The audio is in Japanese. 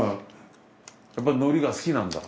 やっぱり海苔が好きなんだ。